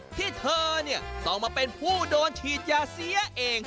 ทีเธอนี่ทุกคนต้องมาเป็นผู้โดนติดยาเสียเอง